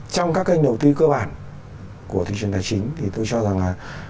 trong các kênh đầu tư cơ bản của thị trường tài chính thì tôi cho rằng là